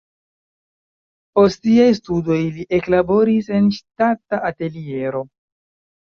Post siaj studoj li eklaboris en ŝtata ateliero.